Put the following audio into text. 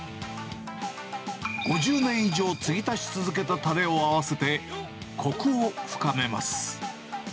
５０年以上、継ぎ足し続けたたれを合わせて、こくを深めます。